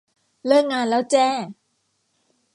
เลิกงานแล้วแจ้